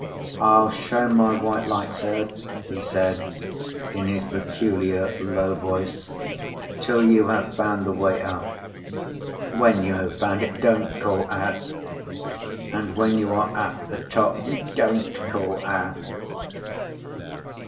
"I'll show my white light, sir," he said, in his peculiar low voice, "till you have found the way up. When you have found it, don't call out! And when you are at the top, don't call out!"